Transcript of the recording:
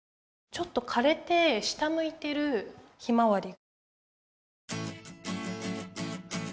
ちょっとかれて下むいてるひまわり。